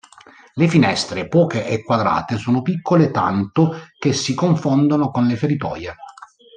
Le finestre, poche e quadrate, sono piccole tanto che si confondono con le feritoie.